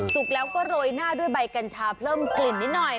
แล้วก็โรยหน้าด้วยใบกัญชาเพิ่มกลิ่นนิดหน่อย